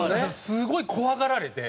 すごい怖がられて。